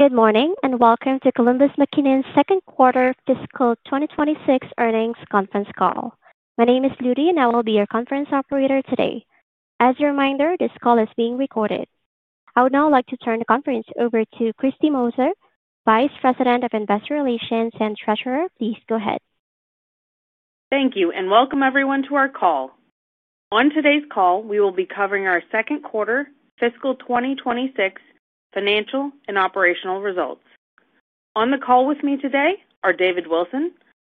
Good morning and welcome to Columbus McKinnon's Second Quarter Fiscal 2026 Earnings Conference Call. My name is Ludy and I will be your conference operator today. As a reminder, this call is being recorded. I would now like to turn the conference over to Kristine Moser, Vice President of Investor Relations and Treasurer. Please go ahead. Thank you and welcome everyone to our call. On today's call we will be covering our second quarter fiscal 2026 financial and operational results. On the call with me today are David Wilson,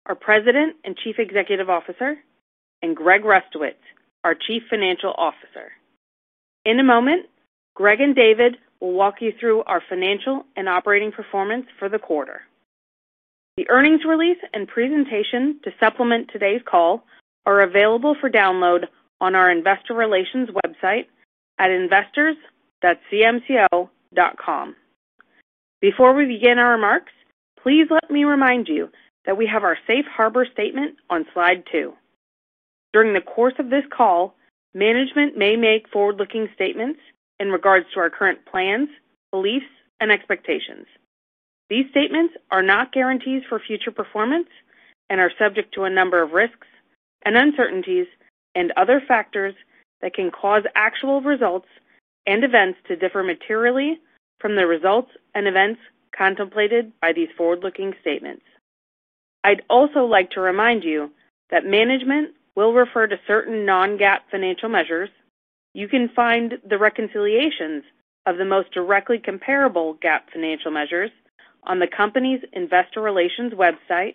our President and Chief Executive Officer, and Greg Rustowicz, our Chief Financial Officer. In a moment, Greg and David will walk you through our financial and operating performance for the quarter. The earnings release and presentation to supplement today's call are available for download on our Investor Relations website at investors.cmco.com. Before we begin our remarks, please let me remind you that we have our Safe Harbor statement on slide 2. During the course of this call, management may make forward-looking statements in regards to our current plans, beliefs, and expectations. These statements are not guarantees for future performance and are subject to a number of risks and uncertainties and other factors that can cause actual results and events to differ materially from the results and events contemplated by these forward-looking statements. I'd also like to remind you that management will refer to certain non-GAAP financial measures. You can find the reconciliations of the most directly comparable GAAP financial measures on the company's investor relations website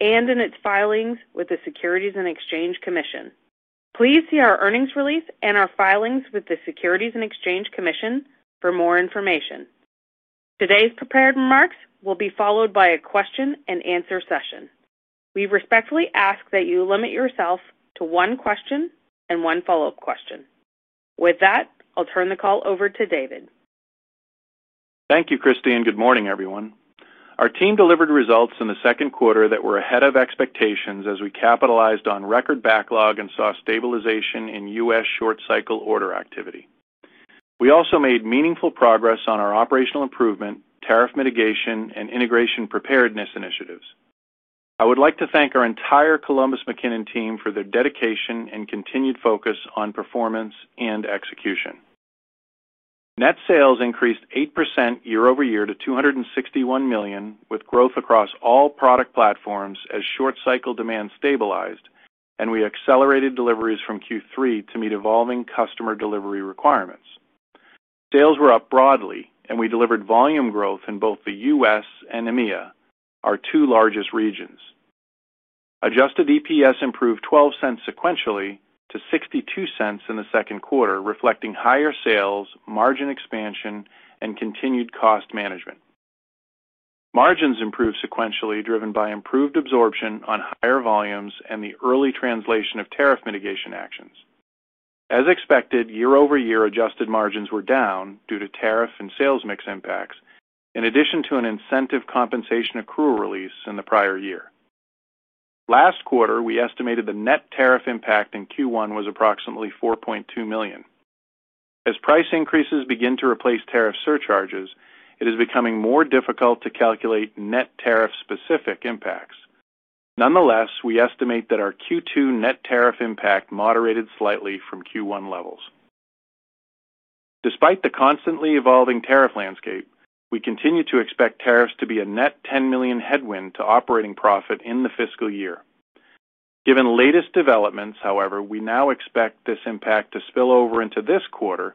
and in its filings with the Securities and Exchange Commission. Please see our earnings release and our filings with the Securities and Exchange Commission for more information. Today's prepared remarks will be followed by a question and answer session. We respectfully ask that you limit yourself to one question and one follow-up question. With that, I'll turn the call over to David. Thank you, Kristine, and good morning, everyone. Our team delivered results in the second quarter that were ahead of expectations as we capitalized on record backlog and saw stabilization in U.S. short-cycle order activity. We also made meaningful progress on our operational improvement, tariff mitigation, and integration preparedness initiatives. I would like to thank our entire Columbus McKinnon team for their dedication and continued focus on performance and execution. Net sales increased 8% year-over-year to $261 million with growth across all product platforms as short-cycle demand stabilized and we accelerated deliveries from Q3 to meet evolving customer delivery requirements. Sales were up broadly, and we delivered volume growth in both the U.S. and EMEA, our two largest regions. Adjusted EPS improved $0.12 sequentially to $0.62 in the second quarter, reflecting higher sales, margin expansion, and continued cost management. Margins improved sequentially, driven by improved absorption on higher volumes and the early translation of tariff mitigation actions. As expected, year-over-year adjusted margins were down due to tariff and sales mix impacts in addition to an incentive compensation accrual release in the prior year. Last quarter, we estimated the net tariff impact in Q1 was approximately $4.2 million. As price increases begin to replace tariff surcharges, it is becoming more difficult to calculate net tariff specific impacts. Nonetheless, we estimate that our Q2 net tariff impact moderated slightly from Q1 levels. Despite the constantly evolving tariff landscape, we continue to expect tariffs to be a net $10 million headwind to operating profit in the fiscal year. Given latest developments, however, we now expect this impact to spill over into this quarter,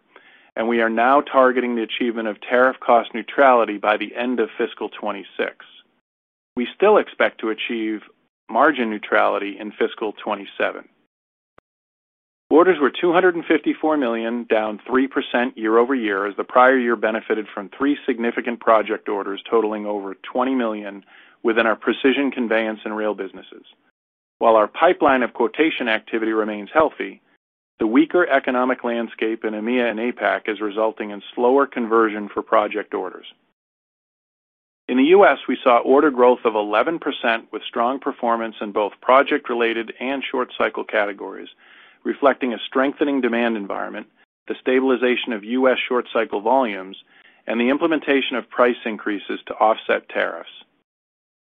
and we are now targeting the achievement of tariff cost neutrality by the end of fiscal 2026. We still expect to achieve margin neutrality in fiscal 2027. Orders were $254 million, down 3% year-over-year as the prior year benefited from three significant project orders totaling over $20 million within our precision conveyor systems and light rail workstations businesses. While our pipeline of quotation activity remains healthy, the weaker economic landscape in EMEA and APAC is resulting in slower conversion for project orders. In the U.S. we saw order growth of 11% with strong performance in both project related and short-cycle categories, reflecting a strengthening demand environment, the stabilization of U.S. short-cycle volumes, and the implementation of price increases to offset tariffs.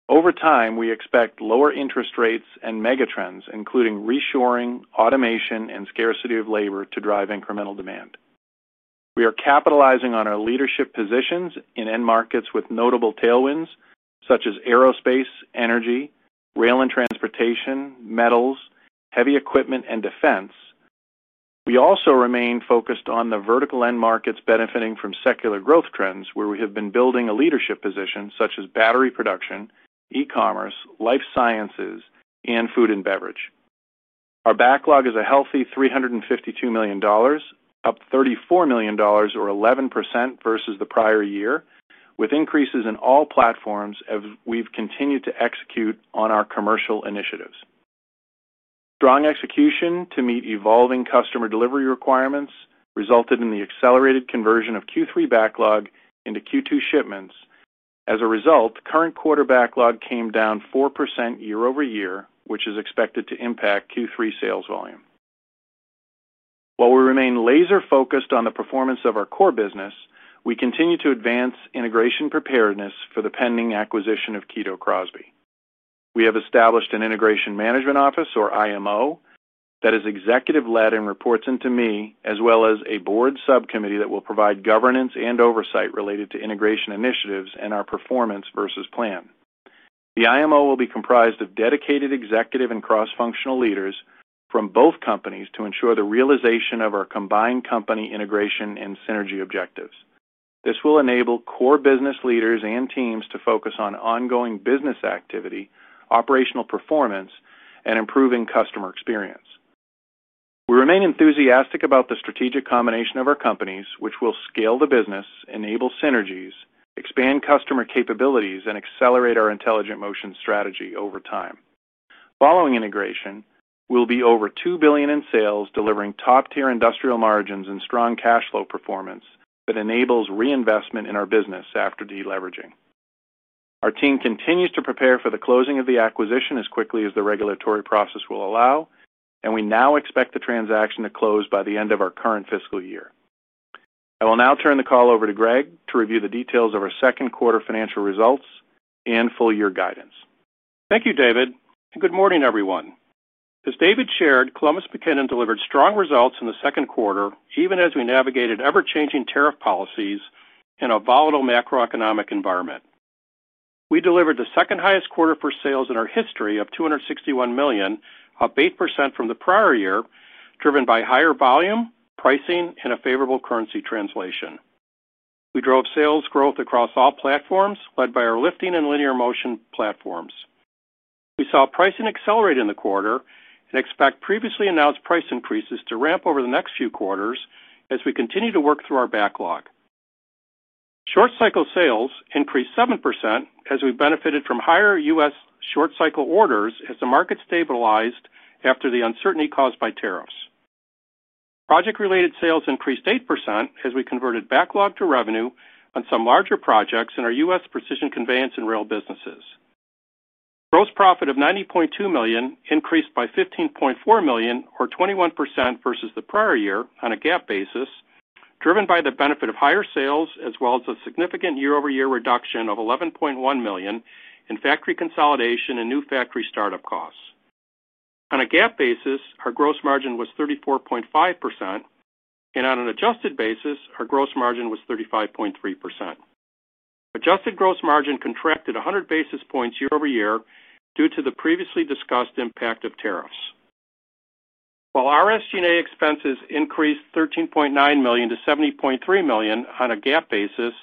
Over time, we expect lower interest rates and megatrends including reshoring, automation, and scarcity of labor to drive incremental demand. We are capitalizing on our leadership positions in end markets with notable tailwinds such as aerospace, energy, rail and transportation, metals, heavy equipment, and defense. We also remain focused on the vertical end markets benefiting from secular growth trends where we have been building a leadership position, such as battery production, e-commerce, life sciences, and food and beverage. Our backlog is a healthy $352 million, up $34 million or 11% versus the prior year, with increases in all platforms as we've continued to execute on our commercial initiatives. Strong execution to meet evolving customer delivery requirements resulted in the accelerated conversion of Q3 backlog into Q2 shipments. As a result, current quarter backlog came down 4% year-over-year, which is expected to impact Q3 sales volume. While we remain laser focused on the performance of our core business, we continue to advance integration preparedness for the pending acquisition of Kito Crosby. We have established an Integration Management Office, or IMO, that is Executive led and reports into me, as well as a Board subcommittee that will provide governance and oversight related to integration initiatives and our performance versus planning. The IMO will be comprised of dedicated executive and cross functional leaders from both companies to ensure the realization of our combined company integration and synergy objectives. This will enable core business leaders and teams to focus on ongoing business activity, operational performance, and improving customer experience. We remain enthusiastic about the strategic combination of our companies, which will scale the business, enable synergies, expand customer capabilities, and accelerate our intelligent motion strategy over time. Following integration, we'll be over $2 billion in sales, delivering top tier industrial margins and strong cash flow performance that enables reinvestment in our business. After deleveraging, our team continues to prepare for the closing of the acquisition as quickly as the regulatory process will allow, and we now expect the transaction to close by the end of our current fiscal year. I will now turn the call over to Greg to review the details of our second quarter financial results and full year guidance. Thank you, David, and good morning, everyone. As David shared, Columbus McKinnon delivered strong results in the second quarter even as we navigated ever-changing tariff policies in a volatile macroeconomic environment. We delivered the second highest quarter for sales in our history of $261 million, up 8% from the prior year. Driven by higher volume, pricing, and a favorable currency translation, we drove sales growth across all platforms, led by our lifting and linear motion platforms. We saw pricing accelerate in the quarter and expect previously announced price increases to ramp over the next few quarters as we continue to work through our backlog. Short-cycle sales increased 7% as we benefited from higher U.S. short-cycle orders as the market stabilized after the uncertainty caused by tariffs. Project-related sales increased 8% as we converted backlog to revenue on some larger projects in our U.S. precision conveyance and rail businesses. Gross profit of $90.2 million increased by $15.4 million, or 21%, versus the prior year on a GAAP basis, driven by the benefit of higher sales as well as a significant year-over-year reduction of $11.1 million in factory consolidation and new factory startup costs. On a GAAP basis, our gross margin was 34.5%, and on an adjusted basis, our gross margin was 35.3%. Adjusted gross margin contracted 100 basis points year-over-year due to the previously discussed impact of tariffs, while RSG&A expenses increased $13.9 million to $70.3 million on a GAAP basis.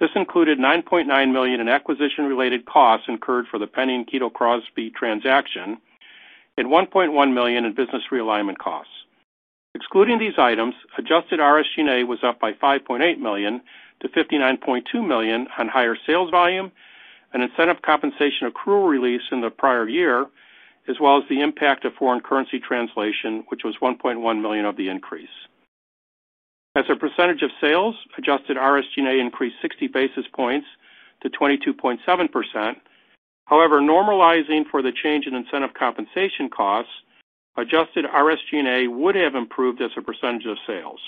This included $9.9 million in acquisition-related costs incurred for the pending Kito Crosby transaction and $1.1 million in business realignment costs. Excluding these items, adjusted RSG&A was up by $5.8 million to $59.2 million on higher sales volume, an incentive compensation accrual release in the prior year, as well as the impact of foreign currency translation, which was $1.1 million of the increase. As a percentage of sales, adjusted RSG&A increased 60 basis points to 22.7%. However, normalizing for the change in incentive compensation costs, adjusted RSG&A would have improved as a percentage of sales.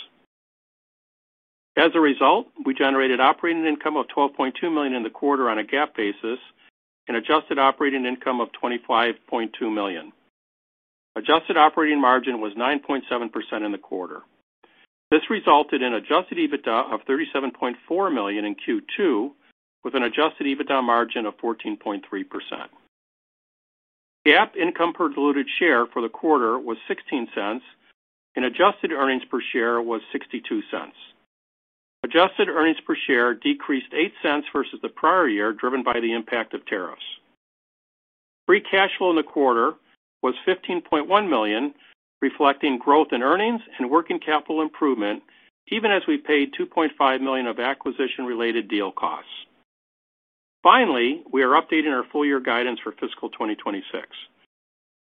As a result, we generated operating income of $12.2 million in the quarter on a GAAP basis and adjusted operating income of $25.2 million. Adjusted operating margin was 9.7% in the quarter. This resulted in adjusted EBITDA of $37.4 million in Q2 with an adjusted EBITDA margin of 14.3%. GAAP income per diluted share for the quarter was $0.16, and adjusted earnings per share was $0.62. Adjusted earnings per share decreased $0.08 versus the prior year, driven by the impact of tariffs. Free cash flow in the quarter was $15.1 million, reflecting growth in earnings and working capital improvement even as we paid $2.5 million of acquisition-related deal costs. Finally, we are updating our full year guidance for fiscal 2026.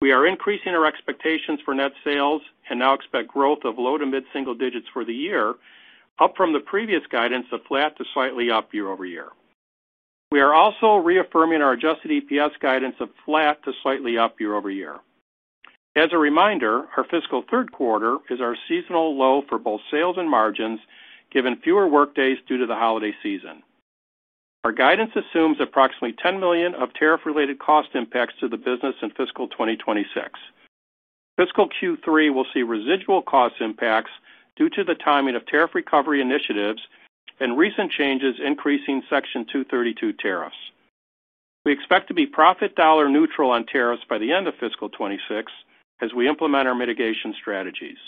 We are increasing our expectations for net sales and now expect growth of low to mid single-digits for the year, up from the previous guidance of flat to slightly up year-over-year. We are also reaffirming our adjusted EPS guidance of flat to slightly up year-over-year. As a reminder, our fiscal third quarter is our seasonal low for both sales and margins given fewer work days due to the holiday season. Our guidance assumes approximately $10 million of tariff-related cost impacts to the business in fiscal 2026. Fiscal Q3 will see residual cost impacts due to the timing of tariff recovery initiatives and recent changes increasing Section 232 tariffs. We expect to be profit dollar neutral on tariffs by the end of fiscal 2026 as we implement our mitigation strategies.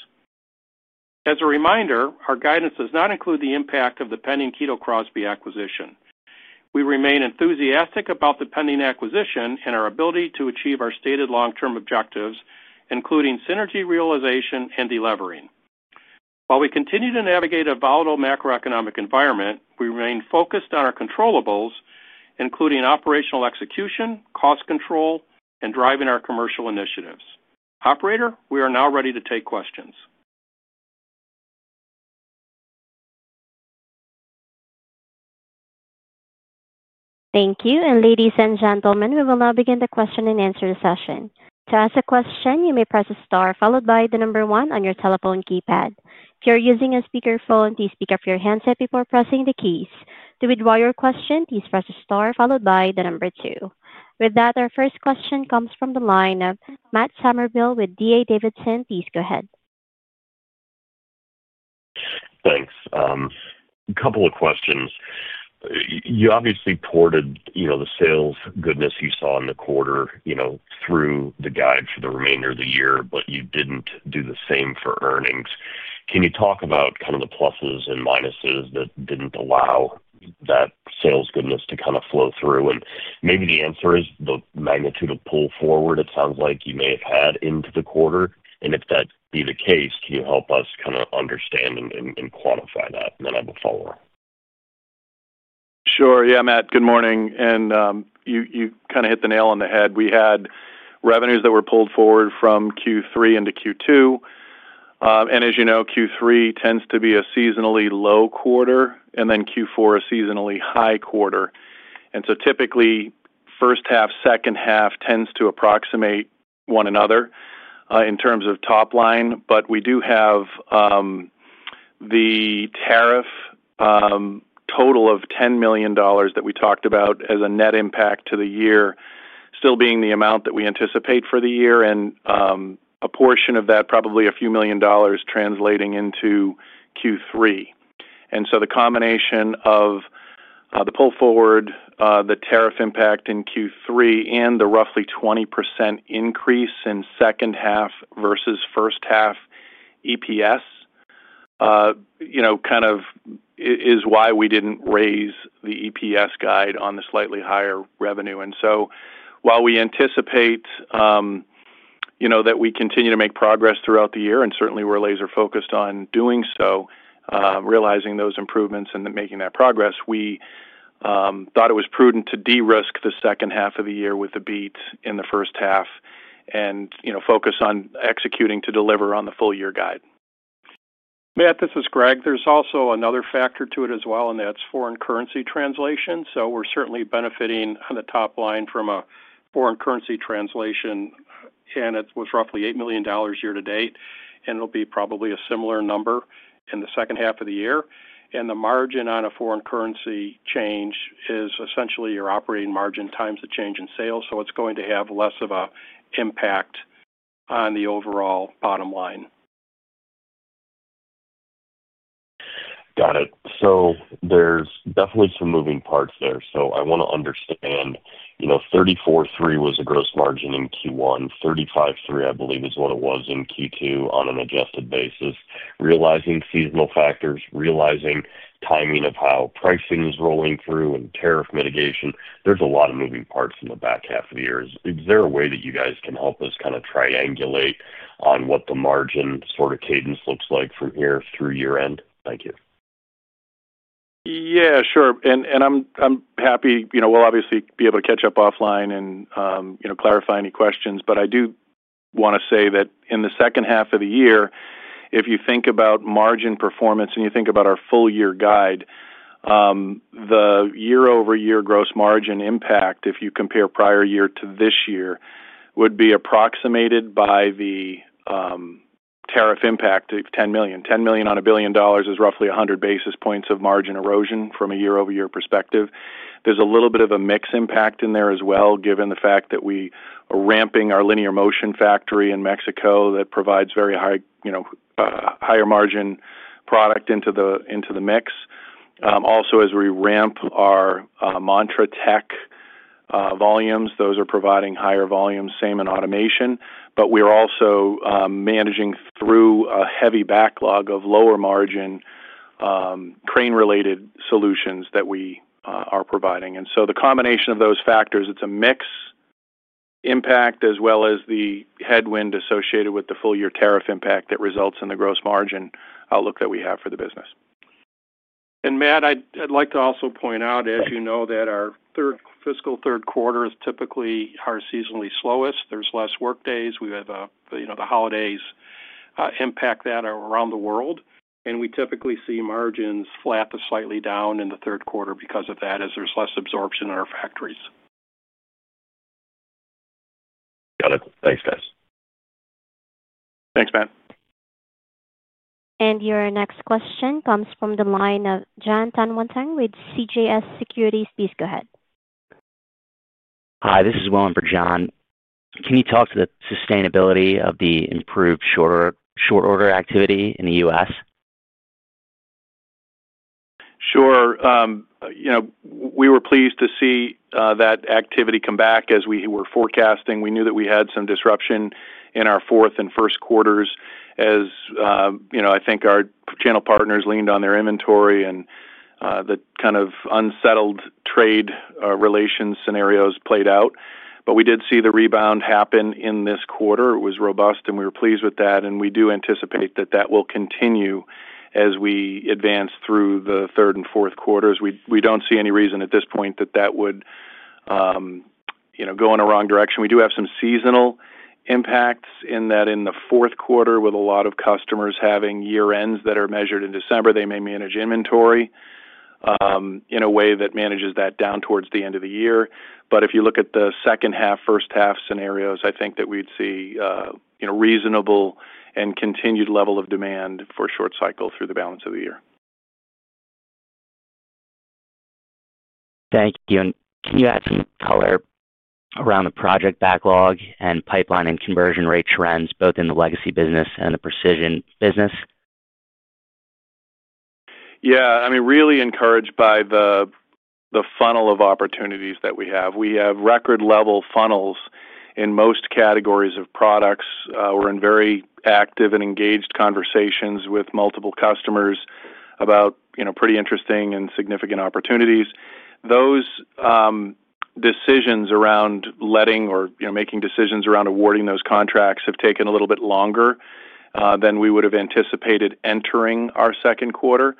As a reminder, our guidance does not include the impact of the pending Kito Crosby acquisition. We remain enthusiastic about the pending acquisition and our ability to achieve our stated long-term objectives including synergy realization and deleveraging. While we continue to navigate a volatile macroeconomic environment, we remain focused on our controllables including operational execution, cost control, and driving our commercial initiatives. Operator, we are now ready to take questions. Thank you, and ladies and gentlemen, we will now begin the question and answer session. To ask a question, you may press star followed by the number one on your telephone keypad. If you're using a speakerphone, please pick up your handset before pressing the keys. To withdraw your question, please press star followed by the number two. With that, our first question comes from the line of Matt Summerville with D.A. Davidson. Please go ahead. Thanks. A couple of questions. You obviously ported the sales goodness you saw in the quarter through the guide for the remainder of the year, but you didn't do the same for earnings. Can you talk about the pluses and minuses that didn't allow that sales goodness to flow through? Maybe the answer is the magnitude of pull forward it sounds like you may have had into the quarter. If that be the case, can you help us understand and quantify that? I have a follow up. Sure, yeah. Matt, good morning. You kind of hit the nail on the head. We had revenues that were pulled forward from Q3 into Q2. As you know, Q3 tends to be a seasonally low quarter and Q4 a seasonally high quarter. Typically, first half, second half tends to approximate one another in terms of top line. We do have the tariff total of $10 million that we talked about as a net impact to the year still being the amount that we anticipate for the year, and a portion of that, probably a few million dollars, translating into Q3. The combination of the pull forward, the tariff impact in Q3, and the roughly 20% increase in second half versus first half EPS is why we didn't raise the EPS guide on the slightly higher revenue. While we anticipate that we continue to make progress throughout the year and certainly we're laser focused on doing so, realizing those improvements and making that progress, we thought it was prudent to de-risk the second half of the year with the beat in the first half and focus on executing to deliver on the full year guide. Matt, this is Greg. There's also another factor to it as well, and that's foreign currency translation. We're certainly benefiting on the top line from a foreign currency translation. It was roughly $8 million year-to-date, and it'll be probably a similar number in the second half of the year. The margin on a foreign currency change is essentially your operating margin times the change in sales. It's going to have less of an impact on the overall bottom line. Got it. There are definitely some moving parts there. I want to understand, you know, 34.3% was a gross margin in Q1, 35.3% I believe is what it was in Q2 on an adjusted basis, realizing seasonal factors, realizing timing of how pricing is rolling through and tariff mitigation. There are a lot of moving parts in the back half of the year. Is there a way that you guys can help us kind of triangulate on what the margin sort of cadence looks like from here through year end? Thank you. Yeah, sure. I'm happy, you know, we'll obviously be able to catch up offline and clarify any questions. I do want to say that in the second half of the year, if you think about margin performance and you think about our full year guide, the year-over-year gross margin impact, if you compare prior year to this year, would be approximated by the tariff impact of $10 million. $10 million on a billion dollars is roughly 100 basis points of margin erosion from a year-over-year perspective. There's a little bit of a mix impact in there as well. Given the fact that we are ramping our Linear Motion factory in Mexico, that provides very high, you know, higher margin product into the mix. Also, as we ramp our montratec volumes, those are providing higher volumes, same in automation, but we are also managing through a heavy backlog of lower margin crane related solutions that we are providing. The combination of those factors, it's a mix impact as well as the headwind associated with the full year tariff impact that results in the gross margin outlook that we have for the business. Matt, I'd like to also point out, as you know, that our third fiscal third quarter is typically our seasonally slowest. There are fewer work days. The holidays impact that around the world and we typically see margins flat to slightly down in the third quarter because of that, as there's less absorption in our factories. Got it. Thanks, guys. Thanks, Matt. Your next question comes from the line of Jon Tanwanteng with CJS Securities. Please go ahead. Hi, this is [Willem] for Jon. Can you talk to the sustainability of the improved short order activity in the U.S.? Sure. We were pleased to see that activity come back. As we were forecasting, we knew that we had some disruption in our fourth and first quarter. As you know, I think our channel partners leaned on their inventory and the kind of unsettled trade relations scenarios played out. We did see the rebound happen in this quarter. It was robust, and we were pleased with that. We do anticipate that will continue as we advance through the third and fourth quarters. We don't see any reason at this point that would go in a wrong direction. We do have some seasonal issues impacting that in the fourth quarter with a lot of customers having year ends that are measured in December. They may manage inventory in a way that manages that down towards the end of the year. If you look at the second half, first half scenarios, I think that we'd see reasonable and continued level of demand for short-cycle through the balance of the year. Thank you. Can you add some color around the project backlog and pipeline and conversion rate trends both in the legacy business and the precision business? Yeah, I mean, really encouraged by the funnel of opportunities that we have. We have record level funnels in most categories of products. We're in very active and engaged conversations with multiple customers about, you know, pretty interesting and significant opportunities. Those decisions around letting or, you know, making decisions around awarding those contracts have taken a little bit longer than we would have anticipated entering our second quarter.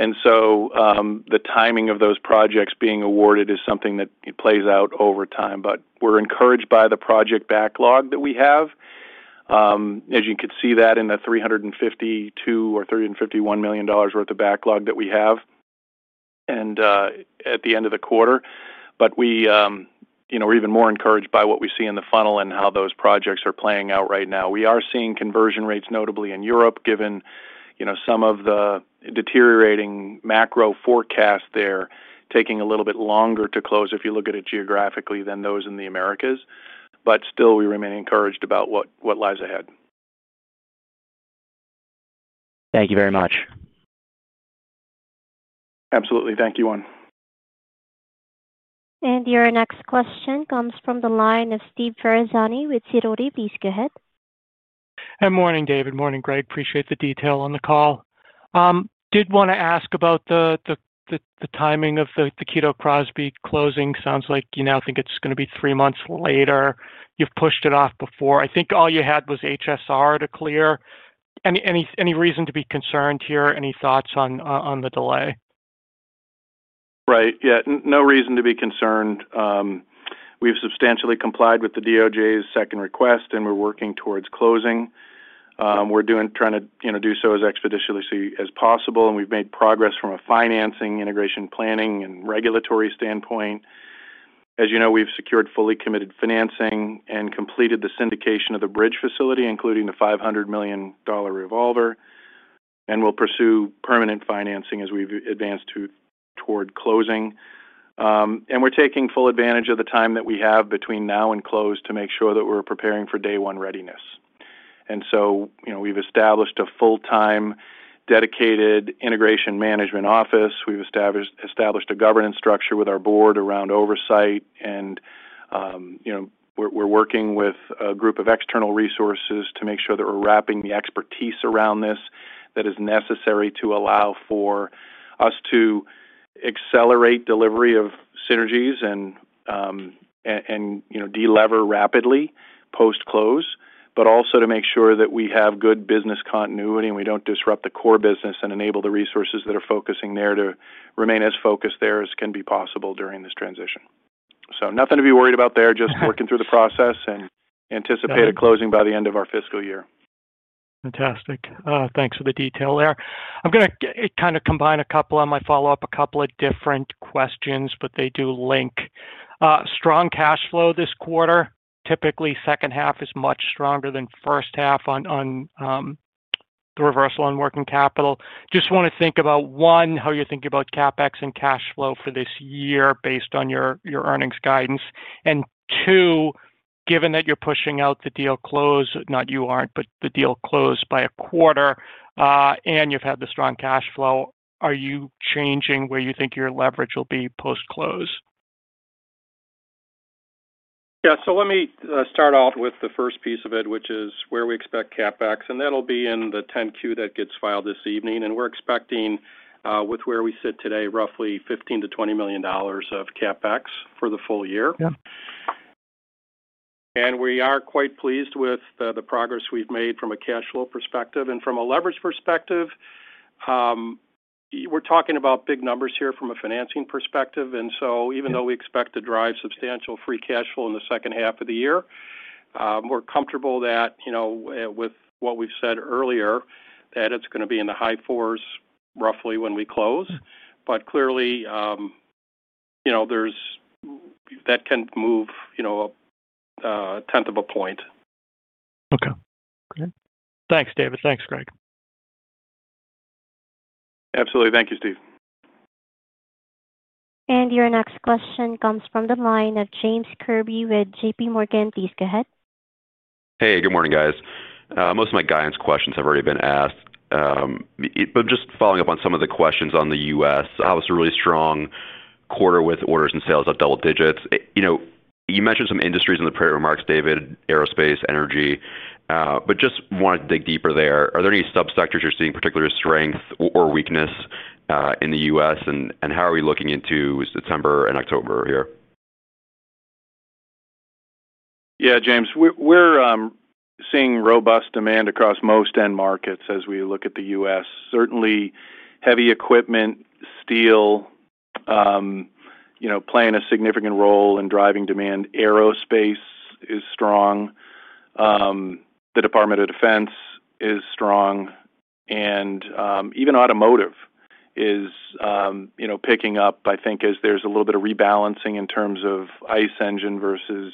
The timing of those projects being awarded is something that plays out over time. We're encouraged by the project backlog that we have, as you could see that in the $352 million or $351 million worth of backlog that we have at the end of the quarter. We're even more encouraged by what we see in the funnel and how those projects are playing out. Right now we are seeing conversion rates, notably in Europe, given, you know, some of the deteriorating macro forecast there taking a little bit longer to close, if you look at it geographically than those in the Americas. We remain encouraged about what lies ahead. Thank you very much. Absolutely. Thank you. Your next question comes from the line of Steve Ferazani with Sidoti. Please go ahead. Good morning, David. Morning, Greg. Appreciate the detail on the call. Did want to ask about the timing of the Kito Crosby closing. Sounds like you now think it's going to be three months later. You've pushed it off before. I think all you had was HSR to clear. Any reason to be concerned here? Any thoughts on the delay? Right, yeah, no reason to be concerned. We've substantially complied with the DOJ's second request, and we're working towards closing. We're trying to do so as expeditiously as possible. We've made progress from a financing, integration, planning, and regulatory standpoint. As you know, we've secured fully committed financing and completed the syndication of the bridge facility, including the $500 million revolver. We'll pursue permanent financing as we advance toward closing. We're taking full advantage of the time that we have between now and close to make sure that we're preparing for day one readiness. We've established a full-time dedicated integration management office. We've established a governance structure with our Board around oversight, and we're working with a group of external resources to make sure that we're wrapping the expertise around this that is necessary to allow for us to accelerate delivery of synergies and delever rapidly post close, but also to make sure that we have good business continuity and we don't disrupt the core business and enable the resources that are focusing there to remain as focused there as can be possible during this transition. Nothing to be worried about there, just working through the process and anticipate a closing by the end of our fiscal year. Fantastic. Thanks for the detail there. I'm going to kind of combine a couple of my follow up, a couple of different questions, but they do link. Strong cash flow this quarter. Typically, second half is much stronger than first half on the reversal on working capital. Just want to think about, one, how you're thinking about CapEx and cash flow for this year based on your earnings guidance, and two, given that you're pushing out the deal close—not you aren't, but the deal closed by a quarter—and you've had the strong cash flow, are you changing where you think your leverage will be post close? Let me start off with the first piece of it, which is where we expect CapEx, and that'll be in the 10-Q that gets filed this evening. We're expecting, with where we sit today, roughly $15-$20 million of CapEx for the full year. We are quite pleased with the progress we've made from a cash flow perspective and from a leverage perspective. We're talking about big numbers here from a financing perspective. Even though we expect to drive substantial free cash flow in the second half of the year, we're comfortable that, with what we've said earlier, it's going to be in the high fours roughly when we close, but clearly that can move, you know, a 0.1 point. Okay, thanks David. Thanks Greg. Absolutely. Thank you, Steve. Your next question comes from the line of James Kirby with JPMorgan. Please go ahead. Hey, good morning guys. Most of my guidance questions have already been asked, just following up on some of the questions on the U.S. Obviously, really strong quarter with orders and sales up double-digits. You mentioned some industries in the pre-remarks, David, aerospace, energy. I wanted to dig deeper there. Are there any subsectors you're seeing particular strength or weakness in the U.S., and how are we looking into September and October here? Yeah, James, we're seeing robust demand across most end markets as we look at the U.S. Certainly heavy equipment, steel, you know, playing a significant role in driving demand. Aerospace is strong, the Department of Defense is strong, and even automotive is, you know, picking up, I think as there's a little bit of rebalancing in terms of ICE engine versus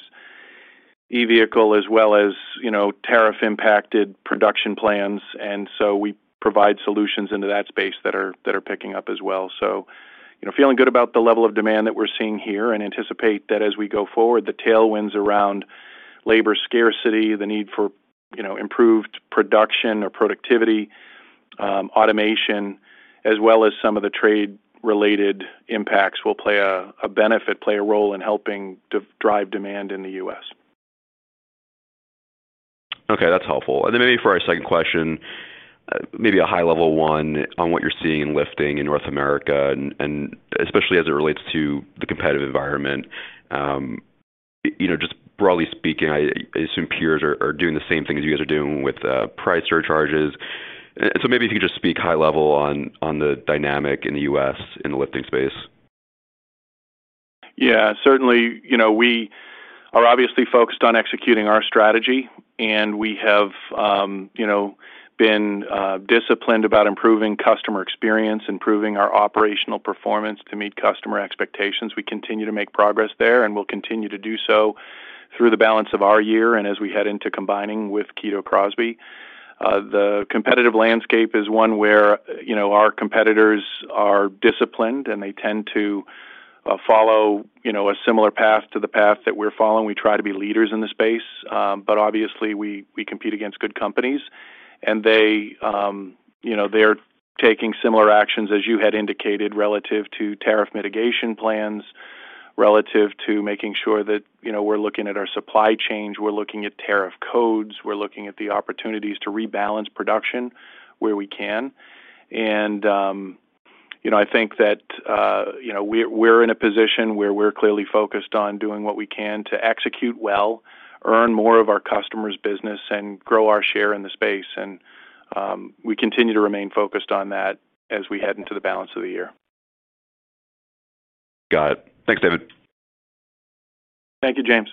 e-vehicle as well as, you know, tariff impacted production plans. We provide solutions into that space that are picking up as well. You know, feeling good about the level of demand that we're seeing here and anticipate that as we go forward. The tailwinds around labor scarcity, the need for improved production or productivity, automation, as well as some of the trade related impacts, will play a benefit, play a role in helping drive demand in the U.S. Okay, that's helpful. Maybe for our second question, maybe a high level one on what you're seeing in lifting in North America and especially as it relates to the competitive environment. You know, just broadly speaking, I assume peers are doing the same thing as you guys are doing with price surcharges. Maybe if you just speak high level on the dynamic in the U.S. in the lifting space. Yeah, certainly, we are obviously focused on executing our strategy and we have been disciplined about improving customer experience, improving our operational performance to meet customer expectations. We continue to make progress there and we'll continue to do so through the balance of our year. As we head into combining with Kito Crosby, the competitive landscape is one where our competitors are disciplined and they tend to follow a similar path to the path that we're following. We try to be leaders in the space, but obviously we compete against good companies and they're taking similar actions as you had indicated, relative to tariff mitigation plans, relative to making sure that we're looking at our supply chains, we're looking at tariff codes, we're looking at the opportunities to rebalance production where we can. I think that we're in a position where we're clearly focused on doing what we can to execute well, earn more of our customers' business and grow our share in the space. We continue to remain focused on that as we head into the balance of the year. Got it. Thanks, David. Thank you, James.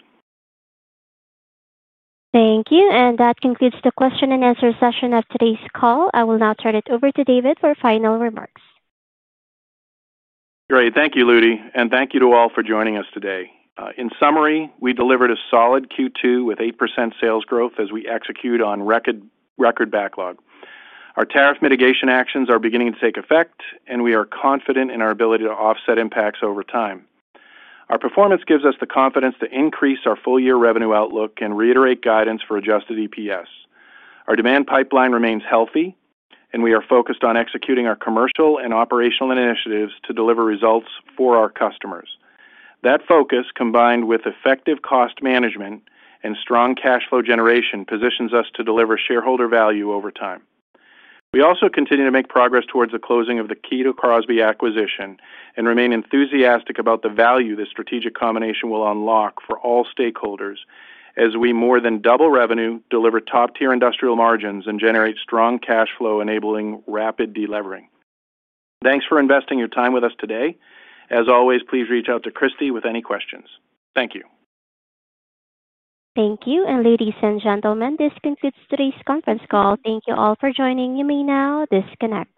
Thank you. That concludes the question and answer session of today's call. I will now turn it over to David for final remarks. Great. Thank you, Ludy. Thank you to all for joining us today. In summary, we delivered a solid Q2 with 8% sales growth. As we execute on record backlog, our tariff mitigation actions are beginning to take effect, and we are confident in our ability to offset impacts over time. Our performance gives us the confidence to increase our full year revenue outlook and reiterate guidance for adjusted EPS. Our demand pipeline remains healthy, and we are focused on executing our commercial and operational initiatives to deliver results for our customers. That focus, combined with effective cost management and strong cash flow generation, positions us to deliver shareholder value over time. We also continue to make progress towards the closing of the Kito Crosby acquisition and remain enthusiastic about the value this strategic combination will unlock for all stakeholders as we more than double revenue, deliver top tier industrial margins, and generate strong cash flow enabling rapid deleveraging. Thanks for investing your time with us today. As always, please reach out to Kristine with any questions. Thank you, Thank you. Ladies and gentlemen, this concludes today's conference call. Thank you all for joining. You may now disconnect.